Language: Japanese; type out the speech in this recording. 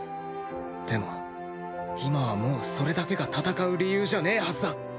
でも今はもうそれだけが戦う理由じゃねえはずだ。